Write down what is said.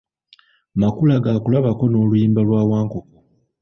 Makula ga kulabako n’Oluyimba lwa Wankoko.